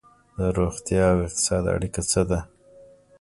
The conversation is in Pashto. د روغتیا او اقتصاد اړیکه څه ده؟